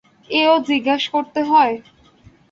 এও জিজ্ঞেস করতে হয়?